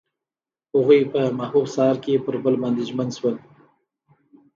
هغوی په محبوب سهار کې پر بل باندې ژمن شول.